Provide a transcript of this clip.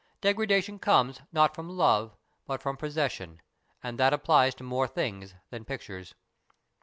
De gradation comes, not from love, but from posses sion, and that applies to more things than pictures.